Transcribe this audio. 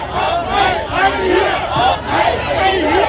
เฮียเฮียเฮีย